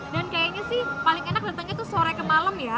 dan kayaknya sih paling enak lantangnya tuh sore ke malem ya